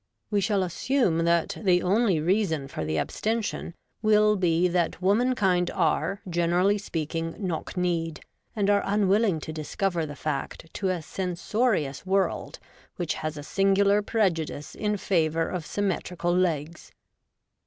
— we shall assume that the only reason for the abstention will be that womankind ,are, generally speaking, knock kneed, and are un willing to discover the fact to a censorious world which has a singular prejudice in favour of symmetrical legs.